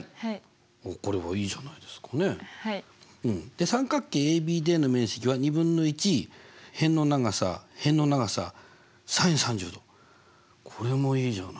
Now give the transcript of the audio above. で三角形ＡＢＤの面積は２分の１辺の長さ辺の長さｓｉｎ３０°。これもいいじゃないねえ。